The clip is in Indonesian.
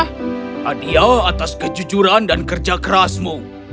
hadiah atas kejujuran dan kerja kerasmu